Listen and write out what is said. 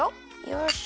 よし。